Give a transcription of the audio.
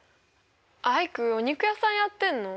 アイクお肉屋さんやってんの？